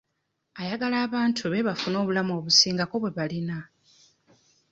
Ayagala abantu be bafune obulamu obusingako bwe balina.